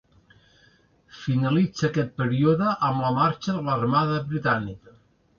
Finalitza aquest període amb la marxa de l'armada britànica.